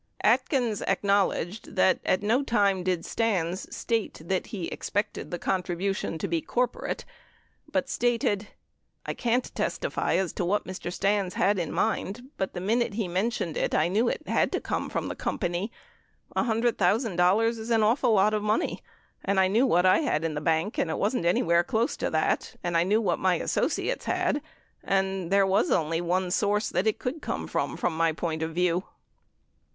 461 Atkins acknowledged that at no time did Stans state that he expected the contribution to be corporate, but stated : I can't testify as to what Mr. Stans had in mind but the minute he mentioned it I knew it had to come from the com pany ... $100,000 is an awful lot of money and I knew what I had in the bank and it wasn't anywhere close to that and I knew what my associates had and there was only one source that it could come from, from my point of view.